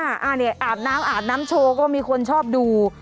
อันนี้อาบน้ำอาบน้ำโชว์ก็มีคนชอบดู